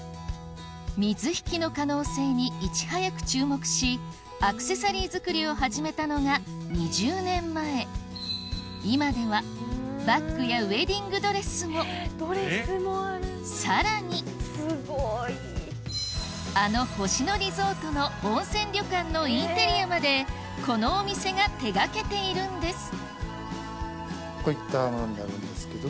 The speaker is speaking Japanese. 水引の可能性にいち早く注目しアクセサリー作りを始めたのが２０年前今ではバッグやウェディングドレスもさらにあの星野リゾートの温泉旅館のインテリアまでこのお店が手掛けているんですこういったものになるんですけども。